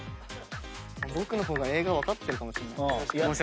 僕の方が映画分かってるかもしれない。